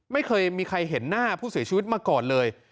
ไม่เคยมีใครเห็นหน้าผู้เสียชีวิตมาก่อนเลย